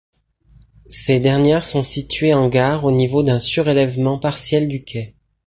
Ces dernières sont situées en gare au niveau d'un surélèvement partiel du quai.